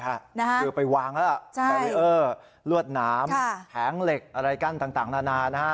คือไปวางแล้วล่ะแบรีเออร์ลวดหนามแผงเหล็กอะไรกั้นต่างนานานะฮะ